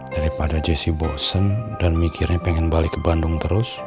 daripada jesse bosen dan mikirnya pengen balik ke bandung terus